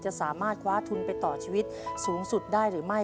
จะสามารถคว้าทุนไปต่อชีวิตสูงสุดได้หรือไม่